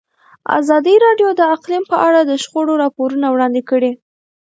ازادي راډیو د اقلیم په اړه د شخړو راپورونه وړاندې کړي.